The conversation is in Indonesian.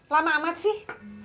lama amat sih